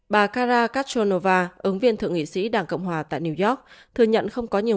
bà kara kachonova ứng viên thượng nghị sĩ đảng cộng hòa tại new york thừa nhận không có nhiều